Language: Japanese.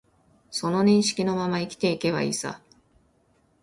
その認識のまま生きていけばいいさ